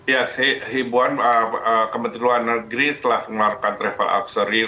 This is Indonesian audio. ya kementerian luar negeri telah melakukan travel advisory